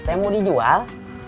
tau mau dijual